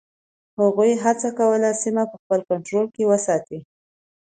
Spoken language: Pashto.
هغوی هڅه کوله سیمه په خپل کنټرول کې وساتي.